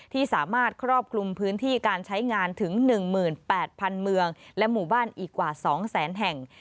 ที่สามารถครอบคลุมพื้นที่การใช้งานถึง๑๘๐๐๐เมืองและหมู่บ้านอีกกว่า๒แสนแห่ง